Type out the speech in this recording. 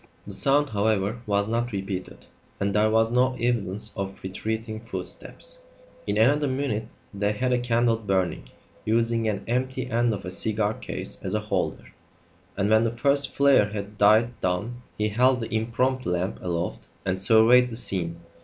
The sound, however, was not repeated; and there was no evidence of retreating footsteps. In another minute they had a candle burning, using an empty end of a cigar case as a holder; and when the first flare had died down he held the impromptu lamp aloft and surveyed the scene.